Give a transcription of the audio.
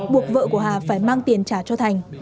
buộc vợ của hà phải mang tiền trả cho thành